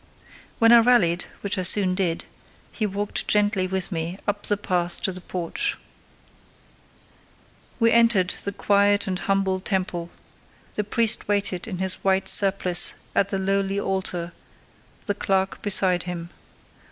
When I rallied, which I soon did, he walked gently with me up the path to the porch. We entered the quiet and humble temple; the priest waited in his white surplice at the lowly altar, the clerk beside him.